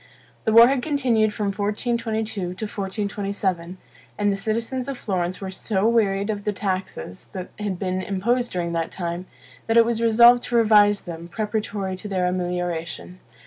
The war had continued from 1422 to 1427, and the citizens of Florence were so wearied of the taxes that had been imposed during that time, that it was resolved to revise them, preparatory to their amelioration.